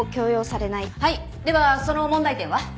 はいではその問題点は？